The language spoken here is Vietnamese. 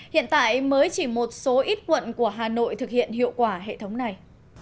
hiện tại mới chỉ một số ít quận của hà nội thực hiện hiệu quả hệ thống này